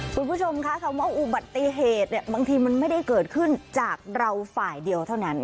คุณผู้ชมคะคำว่าอุบัติเหตุเนี่ยบางทีมันไม่ได้เกิดขึ้นจากเราฝ่ายเดียวเท่านั้น